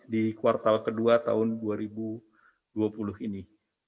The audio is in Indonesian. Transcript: di kuartal kedua tahun dua ribu dua puluh ini